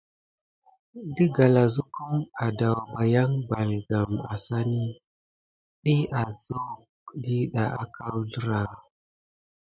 Də galazukum adawbayan balgam assani, diy askoke dida aka wuzlera.